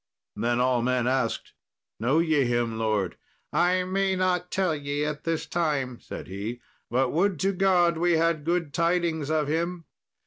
Then all men asked, "Know ye him, lord?" "I may not tell ye at this time," said he; "but would to God we had good tidings of him."